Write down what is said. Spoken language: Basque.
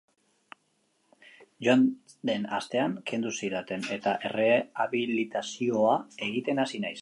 Joan den astean kendu zidaten eta errehabilitazioa egiten hasi naiz.